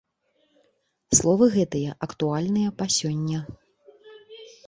Словы гэтыя актуальныя па сёння!